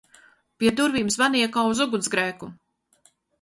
Pie durvīm zvanīja kā uz ugunsgrēku!